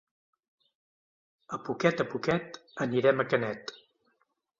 A poquet a poquet anirem a Canet.